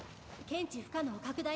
検知不可能拡大